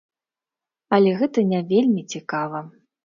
Але гэта не вельмі цікава.